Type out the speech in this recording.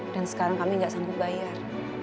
dan sekarang kami gak sanggup bayar